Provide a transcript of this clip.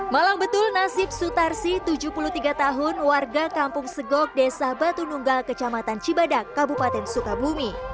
malang betul nasib sutarsi tujuh puluh tiga tahun warga kampung segok desa batu nunggal kecamatan cibadak kabupaten sukabumi